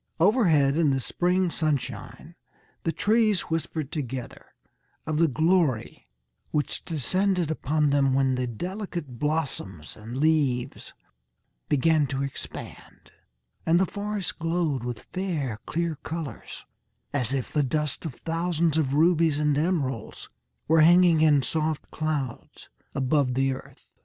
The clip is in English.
Overhead, in the spring sunshine, the trees whispered together of the glory which descended upon them when the delicate blossoms and leaves began to expand, and the forest glowed with fair, clear colours, as if the dust of thousands of rubies and emeralds were hanging, in soft clouds, above the earth.